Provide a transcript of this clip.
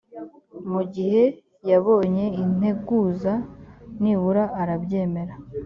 mu gihe yabonye integuza nibura arabyemera